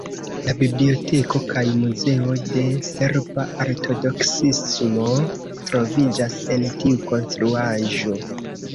La biblioteko kaj muzeo de serba ortodoksismo troviĝas en tiu konstruaĵo.